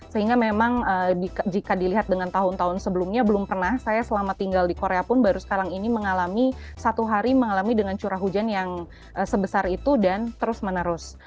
sehingga memang jika dilihat dengan tahun tahun sebelumnya belum pernah saya selama tinggal di korea pun baru sekarang ini mengalami satu hari mengalami dengan curah hujan yang sebesar itu dan terus menerus